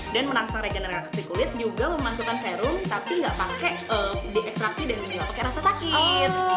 dan merangsang regenerasi kulit juga memasukkan serum tapi nggak pakai di ekstraksi dan juga pakai rasa sakit